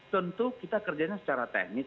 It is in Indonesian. tentu kita kerjanya secara teknis